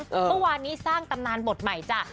เมื่อวานนี้สร้างตำนานบทใหม่จ้ะ